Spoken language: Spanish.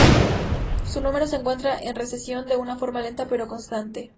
Su número se encuentra en recesión de una forma lenta pero constante.